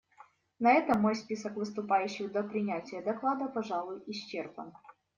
На этом мой список выступающих до принятия доклада, пожалуй, исчерпан.